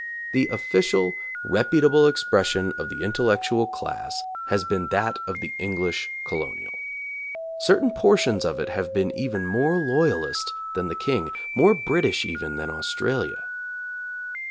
The official, reputable expression of the intellectual class has been that of the English colonial. Certain portions of it have been even more loyalist than the King, more British even than Australia.